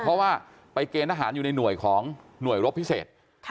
เพราะว่าไปเกณฑ์ทหารอยู่ในหน่วยของหน่วยรบพิเศษ